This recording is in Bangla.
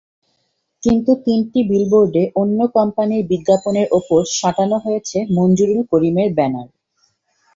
কিন্তু তিনটি বিলবোর্ডে অন্য কোম্পানির বিজ্ঞাপনের ওপর সাঁটানো হয়েছে মঞ্জুরুল করিমের ব্যানার।